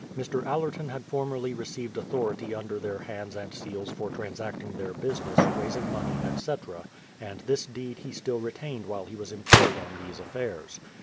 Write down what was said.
Mr. Allerton had for merly received authority under their hands and seals for transacting their business, raising money, etc., and this deed he still retained while he was employed on these affairs.